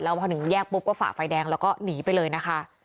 พอถึงแยกปุ๊บก็ฝ่าไฟแดงแล้วก็หนีไปเลยนะคะ